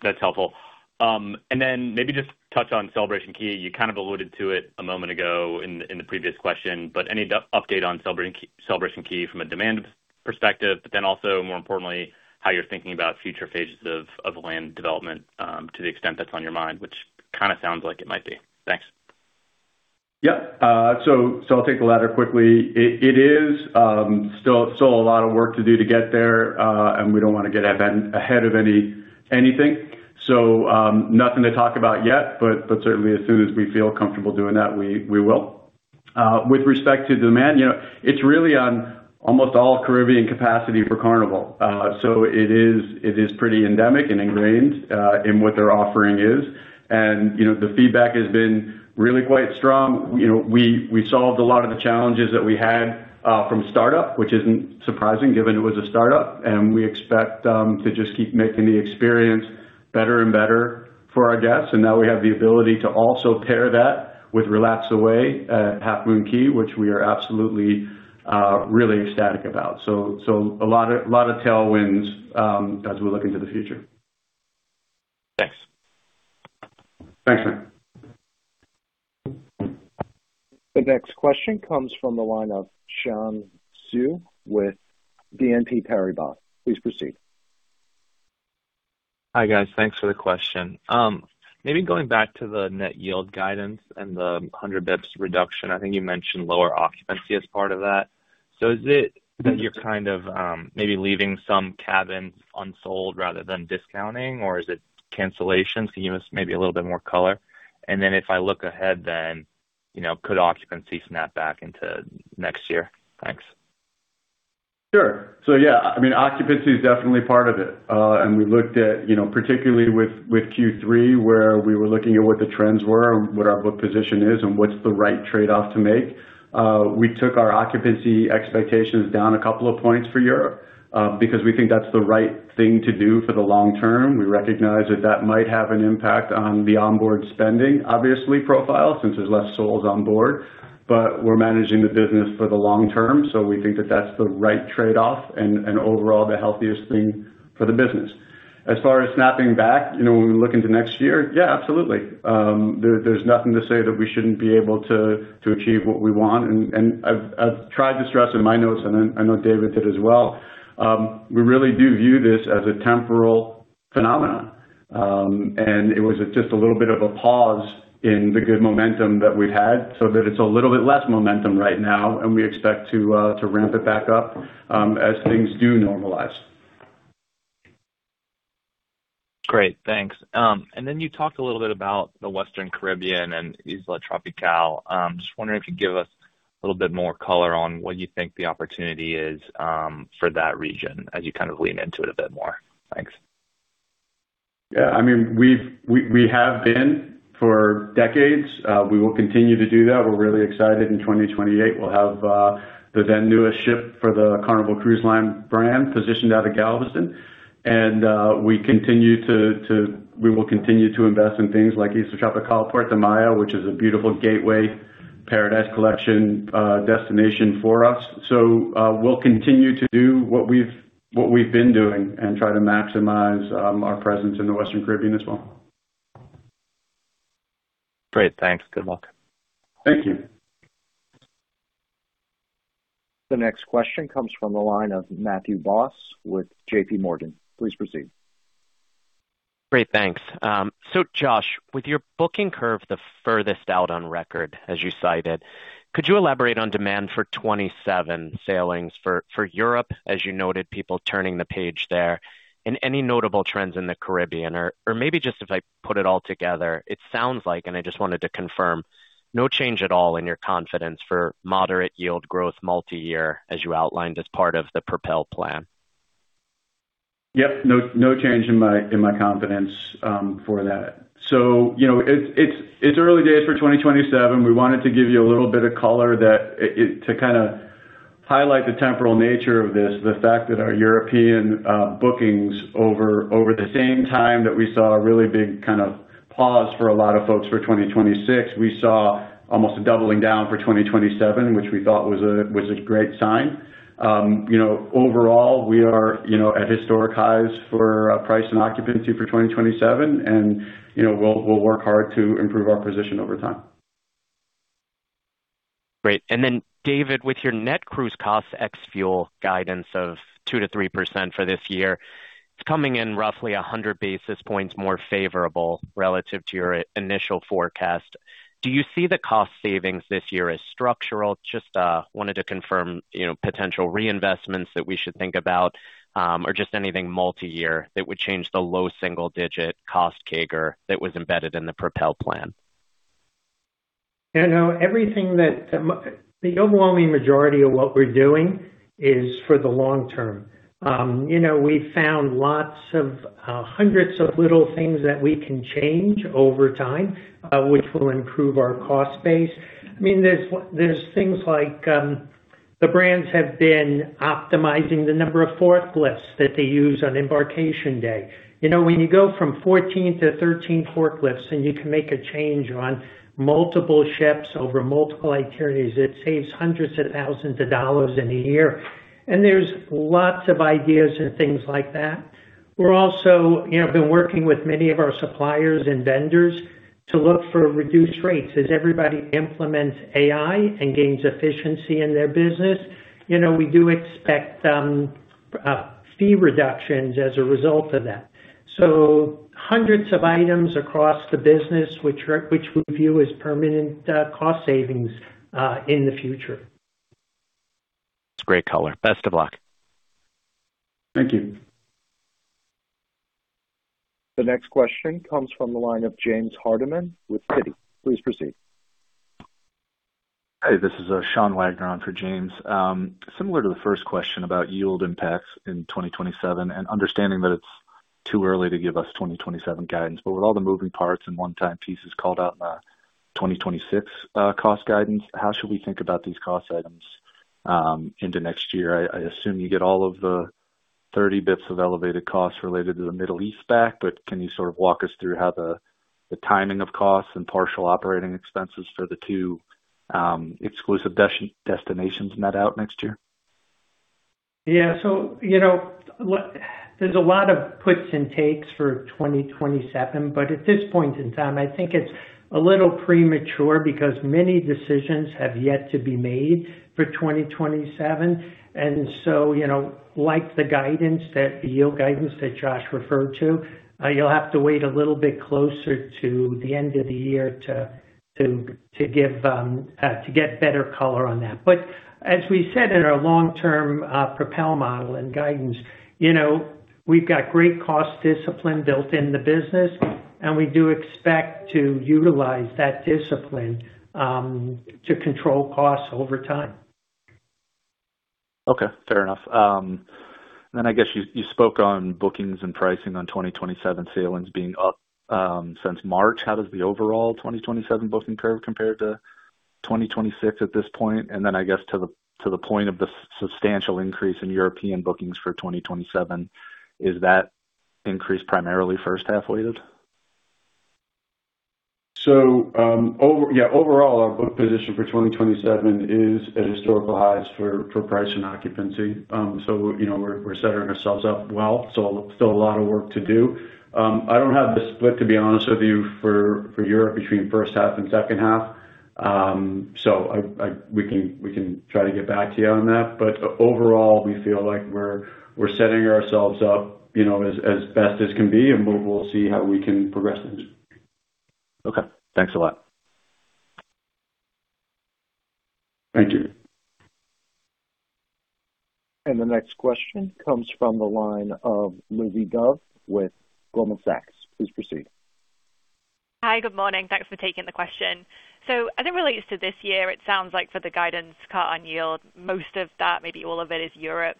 Speaker 8: That's helpful. Maybe just touch on Celebration Key. You kind of alluded to it a moment ago in the previous question, any update on Celebration Key from a demand perspective, also more importantly, how you're thinking about future phases of land development to the extent that's on your mind, which kind of sounds like it might be. Thanks.
Speaker 3: Yep. I'll take the latter quickly. It is still a lot of work to do to get there, we don't want to get ahead of anything. Nothing to talk about yet, certainly as soon as we feel comfortable doing that, we will. With respect to demand, it's really on almost all Caribbean capacity for Carnival. It is pretty endemic and ingrained in what their offering is. The feedback has been really quite strong. We solved a lot of the challenges that we had from startup, which isn't surprising given it was a startup. We expect to just keep making the experience better and better for our guests. Now we have the ability to also pair that with RelaxAway at Half Moon Cay, which we are absolutely really ecstatic about. A lot of tailwinds as we look into the future.
Speaker 8: Thanks.
Speaker 3: Thanks, Ben.
Speaker 1: The next question comes from the line of Xian Siew with BNP Paribas. Please proceed.
Speaker 9: Hi, guys. Thanks for the question. Maybe going back to the net yield guidance and the 100 basis points reduction. I think you mentioned lower occupancy as part of that. Is it that you're maybe leaving some cabins unsold rather than discounting, or is it cancellations? Can you give us maybe a little bit more color? If I look ahead then, could occupancy snap back into next year? Thanks.
Speaker 3: Sure. Yeah, occupancy is definitely part of it. We looked at, particularly with Q3, where we were looking at what the trends were and what our book position is and what's the right trade-off to make. We took our occupancy expectations down a couple of points for Europe because we think that's the right thing to do for the long term. We recognize that that might have an impact on the onboard spending, obviously, profile since there's less souls on board, but we're managing the business for the long term. We think that that's the right trade-off and overall the healthiest thing for the business. As far as snapping back when we look into next year, yeah, absolutely. There's nothing to say that we shouldn't be able to achieve what we want. I've tried to stress in my notes, and I know David did as well, we really do view this as a temporal phenomenon. It was just a little bit of a pause in the good momentum that we've had, so that it's a little bit less momentum right now, and we expect to ramp it back up as things do normalize.
Speaker 9: Great. Thanks. You talked a little bit about the Western Caribbean and Isla Tropicale. I'm just wondering if you give us a little bit more color on what you think the opportunity is for that region as you kind of lean into it a bit more. Thanks.
Speaker 3: Yeah. We have been for decades. We will continue to do that. We're really excited in 2028. We'll have the then newest ship for the Carnival Cruise Line brand positioned out of Galveston. We will continue to invest in things like Isla Tropicale, Puerto Maya, which is a beautiful gateway Paradise Collection destination for us. We'll continue to do what we've been doing and try to maximize our presence in the Western Caribbean as well.
Speaker 9: Great. Thanks. Good luck.
Speaker 3: Thank you.
Speaker 1: The next question comes from the line of Matthew Boss with JPMorgan. Please proceed.
Speaker 10: Great. Thanks. Josh, with your booking curve the furthest out on record, as you cited, could you elaborate on demand for 2027 sailings for Europe, as you noted, people turning the page there, and any notable trends in the Caribbean? Maybe just if I put it all together, it sounds like, and I just wanted to confirm, no change at all in your confidence for moderate yield growth multi-year as you outlined as part of the PROPEL plan.
Speaker 3: Yep. No change in my confidence for that. It's early days for 2027. We wanted to give you a little bit of color to kind of highlight the temporal nature of this, the fact that our European bookings over the same time that we saw a really big pause for a lot of folks for 2026. We saw almost a doubling down for 2027, which we thought was a great sign. Overall, we are at historic highs for price and occupancy for 2027, and we'll work hard to improve our position over time.
Speaker 10: Great. David, with your net cruise cost ex-fuel guidance of 2%-3% for this year, it's coming in roughly 100 basis points more favorable relative to your initial forecast. Do you see the cost savings this year as structural? Just wanted to confirm potential reinvestments that we should think about, or just anything multi-year that would change the low single-digit cost CAGR that was embedded in the PROPEL plan.
Speaker 4: The overwhelming majority of what we're doing is for the long term. We've found hundreds of little things that we can change over time, which will improve our cost base. There's things like the brands have been optimizing the number of forklifts that they use on embarkation day. When you go from 14 to 13 forklifts and you can make a change on multiple ships over multiple itineraries, it saves $hundreds of thousands in a year. There's lots of ideas and things like that. We're also been working with many of our suppliers and vendors to look for reduced rates. As everybody implements AI and gains efficiency in their business, we do expect fee reductions as a result of that. Hundreds of items across the business, which we view as permanent cost savings in the future.
Speaker 10: It's a great color. Best of luck.
Speaker 3: Thank you.
Speaker 1: The next question comes from the line of James Hardiman with Citi. Please proceed.
Speaker 11: Hey. This is Sean Wagner on for James. Similar to the first question about yield impacts in 2027 and understanding that it's too early to give us 2027 guidance, with all the moving parts and one-time pieces called out in the 2026 cost guidance, how should we think about these cost items into next year? I assume you get all of the 30 basis points of elevated costs related to the Middle East back, but can you sort of walk us through how the timing of costs and partial operating expenses for the two exclusive destinations net out next year?
Speaker 4: Yeah. There's a lot of puts and takes for 2027. At this point in time, I think it's a little premature because many decisions have yet to be made for 2027. Like the yield guidance that Josh referred to, you'll have to wait a little bit closer to the end of the year to get better color on that. As we said in our long-term PROPEL model and guidance, we've got great cost discipline built in the business, and we do expect to utilize that discipline to control costs over time.
Speaker 11: Okay. Fair enough. I guess you spoke on bookings and pricing on 2027 sailings being up since March. How does the overall 2027 booking curve compare to 2026 at this point? I guess to the point of the substantial increase in European bookings for 2027, is that increase primarily first half weighted?
Speaker 3: Overall, our book position for 2027 is at historical highs for price and occupancy. We're setting ourselves up well. Still a lot of work to do. I don't have the split, to be honest with you, for Europe between first half and second half. We can try to get back to you on that. Overall, we feel like we're setting ourselves up as best as can be, and we'll see how we can progress into it.
Speaker 11: Okay. Thanks a lot.
Speaker 3: Thank you.
Speaker 1: The next question comes from the line of Lizzie Dove with Goldman Sachs. Please proceed.
Speaker 12: Hi, good morning. Thanks for taking the question. As it relates to this year, it sounds like for the guidance cut on yield, most of that, maybe all of it, is Europe.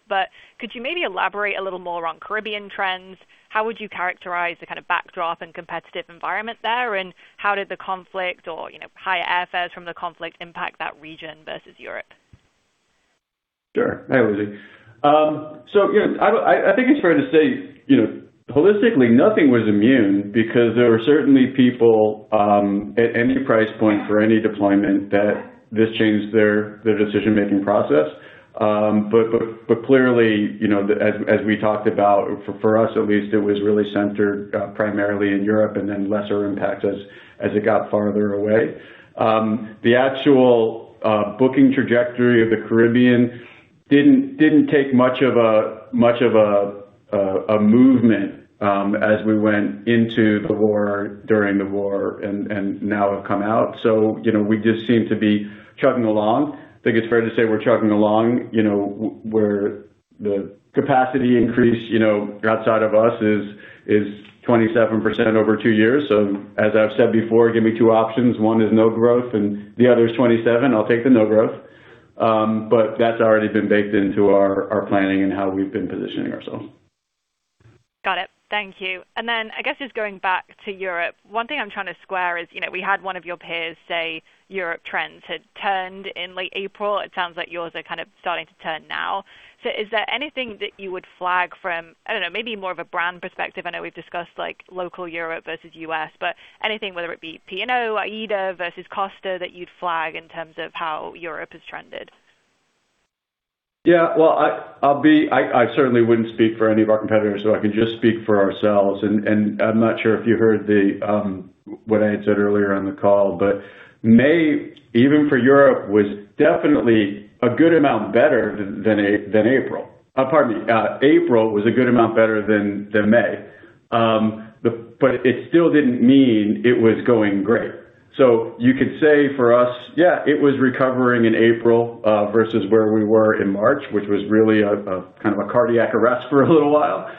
Speaker 12: Could you maybe elaborate a little more on Caribbean trends? How would you characterize the kind of backdrop and competitive environment there, and how did the conflict or higher airfares from the conflict impact that region versus Europe?
Speaker 3: Sure. Hi, Lizzie. I think it's fair to say holistically, nothing was immune because there were certainly people at any price point for any deployment that this changed their decision-making process. Clearly, as we talked about, for us at least, it was really centered primarily in Europe and then lesser impact as it got farther away. The actual booking trajectory of the Caribbean didn't take much of a movement as we went into the war, during the war, and now have come out. We just seem to be chugging along. I think it's fair to say we're chugging along where the capacity increase outside of us is 27% over two years. As I've said before, give me two options. One is no growth and the other's 27, I'll take the no growth. That's already been baked into our planning and how we've been positioning ourselves.
Speaker 12: Got it. Thank you. I guess just going back to Europe, one thing I'm trying to square is, we had one of your peers say Europe trends had turned in late April. It sounds like yours are kind of starting to turn now. Is there anything that you would flag from, I don't know, maybe more of a brand perspective? I know we've discussed local Europe versus U.S., but anything, whether it be P&O, AIDA versus Costa, that you'd flag in terms of how Europe has trended?
Speaker 3: Yeah. Well, I certainly wouldn't speak for any of our competitors, I can just speak for ourselves. I'm not sure if you heard what I had said earlier on the call, May, even for Europe, was definitely a good amount better than April. Pardon me. April was a good amount better than May. It still didn't mean it was going great. You could say for us, yeah, it was recovering in April, versus where we were in March, which was really a kind of a cardiac arrest for a little while.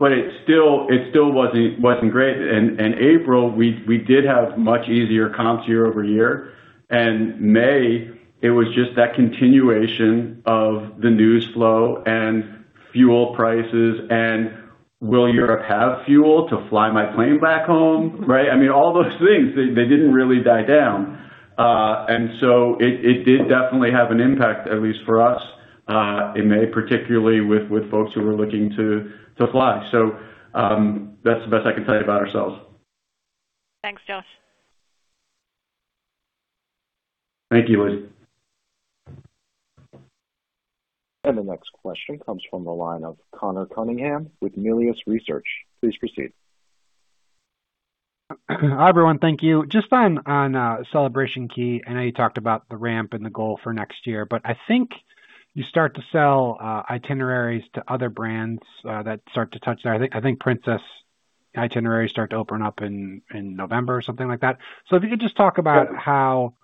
Speaker 3: It still wasn't great. In April, we did have much easier comps year-over-year. In May, it was just that continuation of the news flow and fuel prices and will Europe have fuel to fly my plane back home, right? I mean, all those things, they didn't really die down. It did definitely have an impact, at least for us, in May, particularly with folks who were looking to fly. That's the best I can tell you about ourselves.
Speaker 12: Thanks, Josh.
Speaker 3: Thank you, Lizzie.
Speaker 1: The next question comes from the line of Conor Cunningham with Melius Research. Please proceed.
Speaker 13: Hi, everyone. Thank you. Just on Celebration Key, I know you talked about the ramp and the goal for next year, I think you start to sell itineraries to other brands that start to touch there. I think Princess itineraries start to open up in November or something like that. If you could just talk about how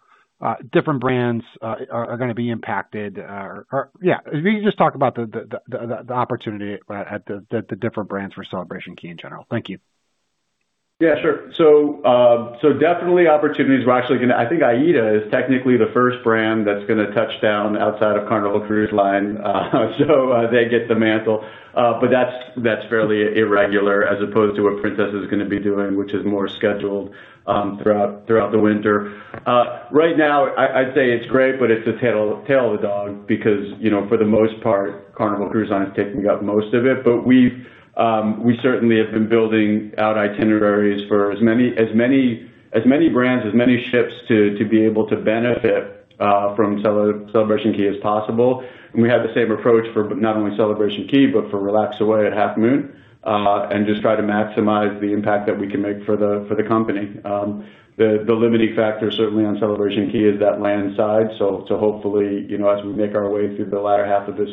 Speaker 13: different brands are going to be impacted, or yeah, if you could just talk about the opportunity at the different brands for Celebration Key in general. Thank you.
Speaker 3: Yeah, sure. Definitely opportunities. I think AIDA is technically the first brand that's going to touch down outside of Carnival Cruise Line, so they get the mantle. That's fairly irregular as opposed to what Princess is going to be doing, which is more scheduled throughout the winter. Right now, I'd say it's great, but it's the tail of the dog because, for the most part, Carnival Cruise Line is taking up most of it. We certainly have been building out itineraries for as many brands, as many ships to be able to benefit from Celebration Key as possible. We have the same approach for not only Celebration Key, but for RelaxAway at Half Moon Cay, and just try to maximize the impact that we can make for the company. The limiting factor certainly on Celebration Key is that land side. Hopefully, as we make our way through the latter half of this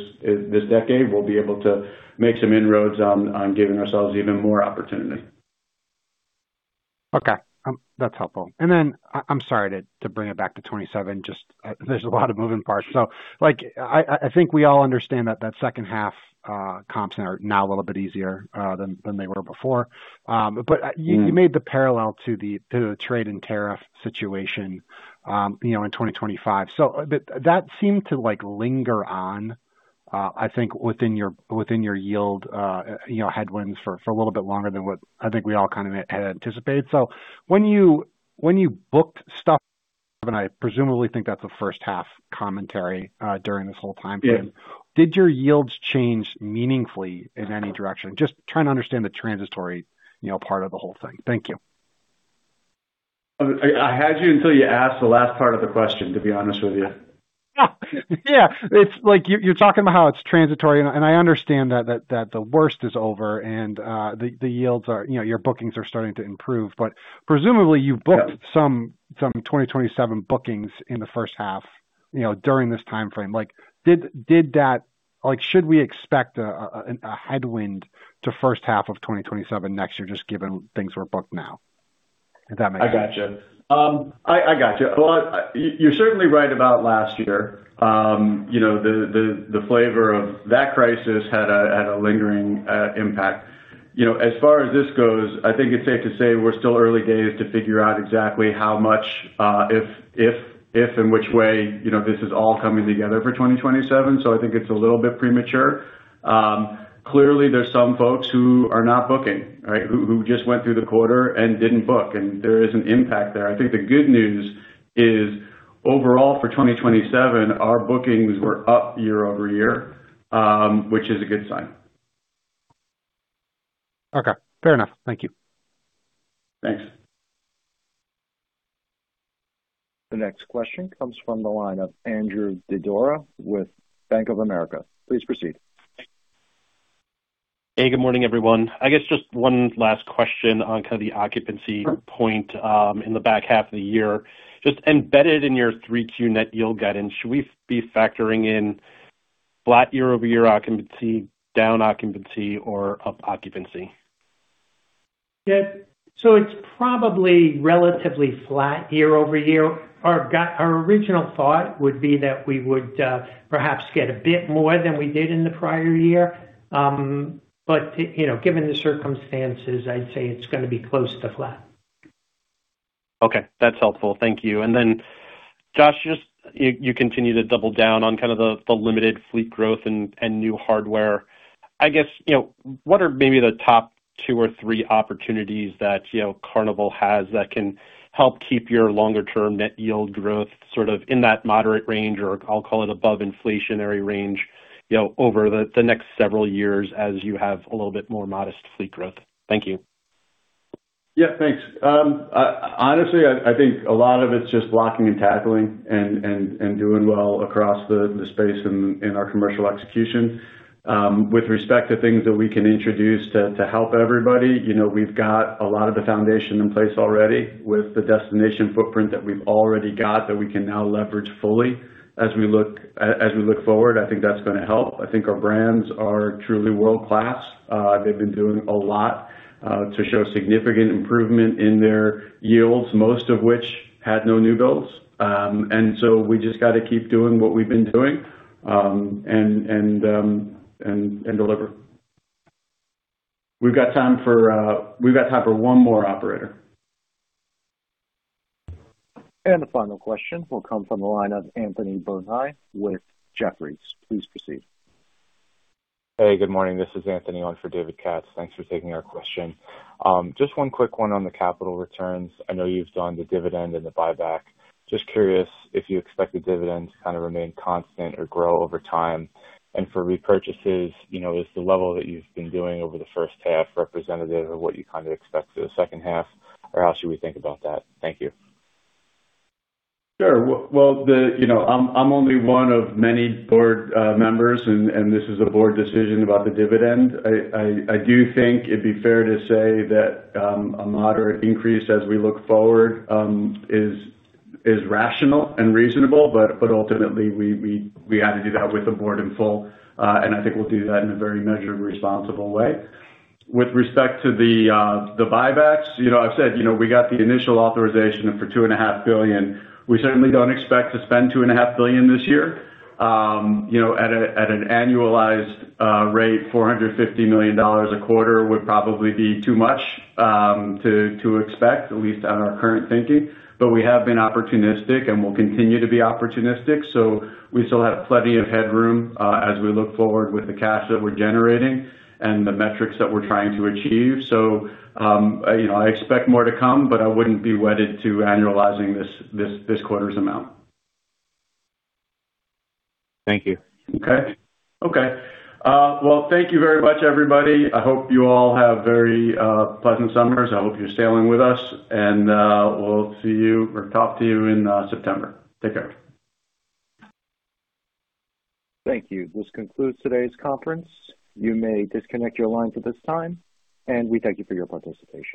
Speaker 3: decade, we'll be able to make some inroads on giving ourselves even more opportunity.
Speaker 13: Okay. That's helpful. Then I'm sorry to bring it back to 2027. There's a lot of moving parts. I think we all understand that that second half comps are now a little bit easier than they were before. You made the parallel to the trade and tariff situation in 2025. That seemed to linger on, I think, within your yield headwinds for a little bit longer than what I think we all kind of had anticipated. When you booked stuff. I presumably think that's a first-half commentary during this whole timeframe. Did your yields change meaningfully in any direction? Just trying to understand the transitory part of the whole thing. Thank you.
Speaker 3: I had you until you asked the last part of the question, to be honest with you.
Speaker 13: Yeah. It's like you're talking about how it's transitory. I understand that the worst is over and your bookings are starting to improve. Presumably, you've booked some 2027 bookings in the first half during this timeframe. Should we expect a headwind to first half of 2027 next year, just given things were booked now? If that makes sense.
Speaker 3: I got you. You're certainly right about last year. The flavor of that crisis had a lingering impact. As far as this goes, I think it's safe to say we're still early days to figure out exactly how much, if and which way this is all coming together for 2027. I think it's a little bit premature. Clearly, there's some folks who are not booking. Who just went through the quarter and didn't book. There is an impact there. I think the good news is overall for 2027, our bookings were up year-over-year, which is a good sign.
Speaker 13: Okay. Fair enough. Thank you.
Speaker 3: Thanks.
Speaker 1: The next question comes from the line of Andrew Didora with Bank of America. Please proceed.
Speaker 14: Hey, good morning, everyone. I guess just one last question on the occupancy point in the back half of the year. Just embedded in your 3Q net yield guidance, should we be factoring in flat year-over-year occupancy, down occupancy, or up occupancy?
Speaker 4: Yeah. It's probably relatively flat year-over-year. Our original thought would be that we would perhaps get a bit more than we did in the prior year. Given the circumstances, I'd say it's going to be close to flat.
Speaker 14: Okay, that's helpful. Thank you. Josh, you continue to double down on the limited fleet growth and new hardware. I guess, what are maybe the top two or three opportunities that Carnival has that can help keep your longer-term net yield growth sort of in that moderate range, or I'll call it above inflationary range over the next several years as you have a little bit more modest fleet growth? Thank you.
Speaker 3: Yeah, thanks. Honestly, I think a lot of it's just blocking and tackling and doing well across the space in our commercial execution. With respect to things that we can introduce to help everybody, we've got a lot of the foundation in place already with the destination footprint that we've already got that we can now leverage fully as we look forward. I think that's going to help. I think our brands are truly world-class. They've been doing a lot to show significant improvement in their yields, most of which had no new builds. We just got to keep doing what we've been doing and deliver. We've got time for one more, operator.
Speaker 1: The final question will come from the line of Anthony Berni with Jefferies. Please proceed.
Speaker 15: Hey, good morning. This is Anthony on for David Katz. Thanks for taking our question. Just one quick one on the capital returns. I know you've done the dividend and the buyback. Just curious if you expect the dividend to kind of remain constant or grow over time. For repurchases, is the level that you've been doing over the first half representative of what you kind of expect for the second half, or how should we think about that? Thank you.
Speaker 3: Sure. Well, I'm only one of many board members, and this is a board decision about the dividend. I do think it'd be fair to say that a moderate increase as we look forward is rational and reasonable, but ultimately, we had to do that with the board in full. I think we'll do that in a very measured, responsible way. With respect to the buybacks, I've said we got the initial authorization for $2.5 billion. We certainly don't expect to spend $2.5 billion this year. At an annualized rate, $450 million a quarter would probably be too much to expect, at least on our current thinking. We have been opportunistic and will continue to be opportunistic. We still have plenty of headroom as we look forward with the cash that we're generating and the metrics that we're trying to achieve. I expect more to come, but I wouldn't be wedded to annualizing this quarter's amount.
Speaker 15: Thank you.
Speaker 3: Okay. Well, thank you very much, everybody. I hope you all have very pleasant summers. I hope you're sailing with us, and we'll see you or talk to you in September. Take care.
Speaker 1: Thank you. This concludes today's conference. You may disconnect your lines at this time, and we thank you for your participation.